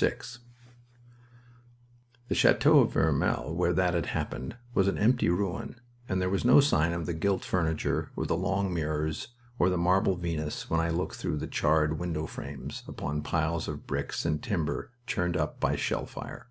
VI The chateau of Vermelles, where that had happened, was an empty ruin, and there was no sign of the gilt furniture, or the long mirrors, or the marble Venus when I looked through the charred window frames upon piles of bricks and timber churned up by shell fire.